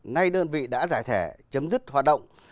nay đơn vị đã giải thể chấm dứt hoạt động